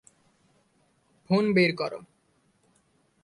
Phone বের কর।